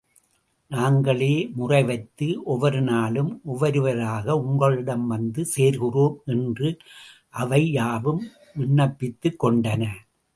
நாங்களே முறைவைத்து ஒவ்வொரு நாளும் ஒவ்வொருவராக உங்களிடம் வந்து சேர்கிறோம் என்று, அவை யாவும் விண்ணப்பித்துக் கொண்டன.